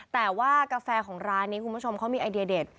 แต่ว่ากาแฟของร้านนี้คุณผู้ชมเขามีไอเดียเด็ด